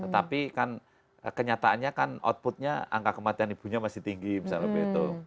tapi kan kenyataannya kan outputnya angka kematian ibunya masih tinggi misalnya begitu